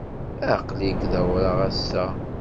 Aql-ik d awraɣ ass-a.